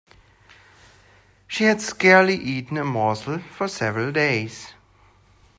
She had scarcely eaten a morsel for several days.